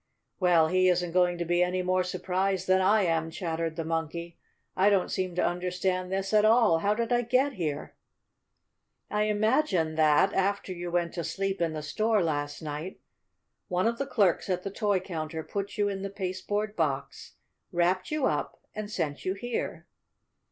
"Well, he isn't going to be any more surprised than I am," chattered the Monkey. "I don't seem to understand this at all. How did I get here?" "I imagine that, after you went to sleep in the store last night, one of the clerks at the toy counter put you in the pasteboard box, wrapped you up and sent you here."